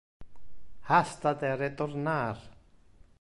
Hasta te a retornar.